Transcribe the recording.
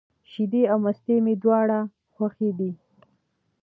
شیدې او مستې مي دواړي خوښي دي.